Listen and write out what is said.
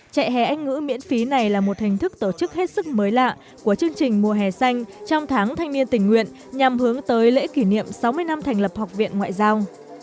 trại hè anh ngữ miễn phí này là một hình thức tổ chức hết sức mới lạ của chương trình mùa hè xanh trong tháng thanh niên tình nguyện nhằm hướng tới lễ kỷ niệm sáu mươi năm thành lập học viện ngoại giao